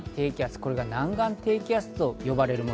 これが南岸低気圧と呼ばれるもの。